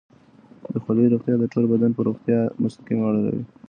د خولې روغتیا د ټول بدن پر روغتیا مستقیمه اغېزه لري.